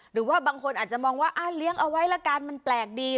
หรือว่าบางคนอาจจะมองว่าเลี้ยงเอาไว้ละกันมันแปลกดี